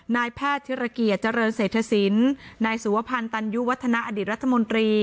นายแพทย์ธิรเกียจเจริญเศรษฐศิลป์นายสุวพันธ์ตันยุวัฒนาอดีตรัฐมนตรี